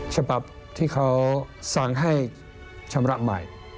ฉบับที่เขาสั่งให้ชำระใหม่